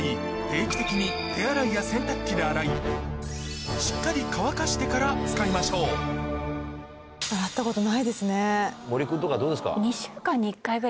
定期的に手洗いや洗濯機で洗いしっかり乾かしてから使いましょう森君とかどうですか？